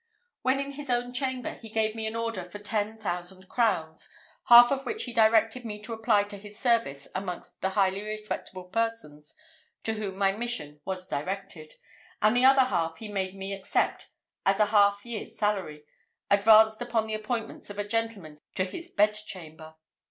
When in his own chamber, he gave me an order for ten thousand crowns, half of which he directed me to apply to his service amongst the highly respectable persons to whom my mission was directed, and the other half he bade me accept, as a half year's salary, advanced upon the appointments of a gentleman of his bedchamber.